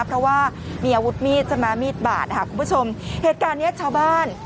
เพราะว่ามีอาวุธมีดสมามิตรบาทคุณผู้ชมเหตุการณ์เนี้ยชาวบ้าน